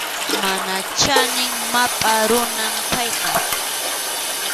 Mana chanin mapʼa runam payqa.